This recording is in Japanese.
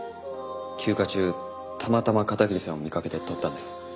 休暇中たまたま片桐さんを見かけて撮ったんです。